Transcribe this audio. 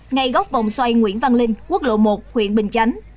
ngay góc vòng xoay nguyễn văn linh quốc lộ một huyện bình chánh